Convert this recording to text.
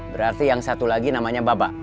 berarti yang satu lagi namanya bapak